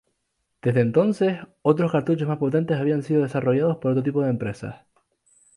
Desde entonces, otros cartuchos más potentes habían sido desarrollados por otro tipo de empresas.